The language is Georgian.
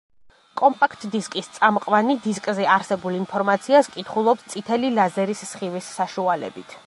კომპაქტ–დისკის წამყვანი დისკზე არსებულ ინფორმაციას კითხულობს წითელი ლაზერის სხივის საშუალებით.